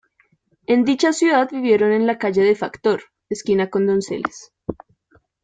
En dicha ciudad vivieron en la calle de Factor esquina con Donceles.